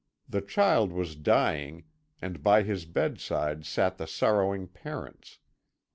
The child was dying, and by his bedside sat the sorrowing parents.